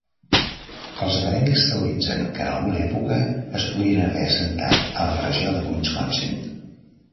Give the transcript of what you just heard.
Els acadèmics teoritzen que en alguna època es podrien haver assentat a la regió de Wisconsin.